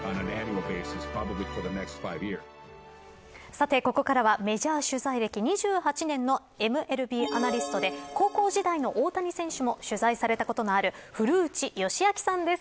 さて、ここからはメジャー取材歴２８年のＭＬＢアナリストで高校時代の大谷選手も取材したことがある古内義明さんです。